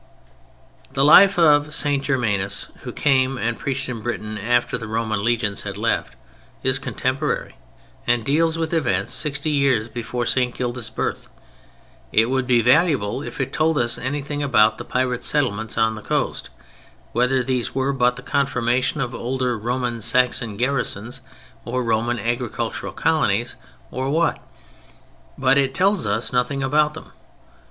The life of St. Germanus, who came and preached in Britain after the Roman legions had left, is contemporary, and deals with events sixty years before St. Gildas' birth. It would be valuable if it told us anything about the Pirate settlements on the coast—whether these were but the confirmation of older Roman Saxon garrisons or Roman agricultural colonies or what—but it tells us nothing about them.